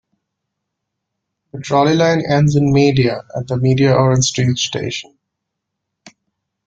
The trolley line ends in Media at the Media-Orange Street station.